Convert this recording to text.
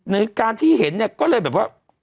ในการที่เห็นเนี่ยก็เลยแบบว่า